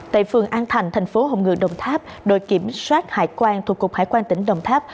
tại phường an thành tp hồng ngựa đồng tháp đội kiểm soát hải quan thuộc hải quan tỉnh đồng tháp